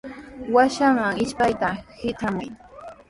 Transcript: Washaman ishpayta hitramuy.